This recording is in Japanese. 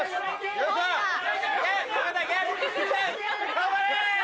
頑張れ！